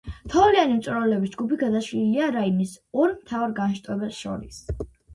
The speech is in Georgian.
თოვლიანი მწვერვალების ჯგუფი გადაშლილია რაინის ორ მთავარ განშტოებას შორის.